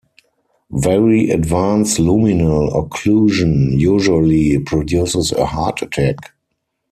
Very advanced luminal occlusion usually produces a heart attack.